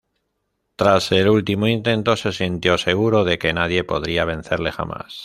Tras el último intento, se sintió seguro de que nadie podría vencerle jamás.